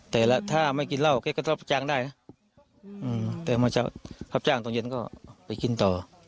แต่ถ้าไม่กินเหล้าก็ต้องประจางได้แต่ถ้าประจางตอนเย็นก็ไปกินต่อ